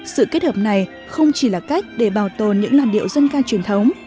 sự kết hợp này không chỉ là cách để bảo tồn những làn điệu dân ca truyền thống